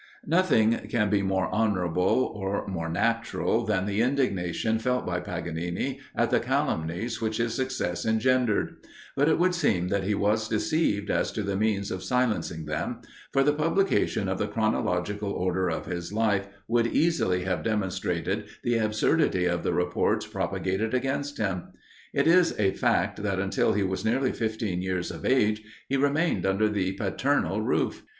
Nothing can be more honourable or more natural than the indignation felt by Paganini at the calumnies which his success engendered; but it would seem that he was deceived as to the means of silencing them: for the publication of the chronological order of his life would easily have demonstrated the absurdity of the reports propagated against him. It is a fact, that until he was nearly fifteen years of age, he remained under the paternal roof.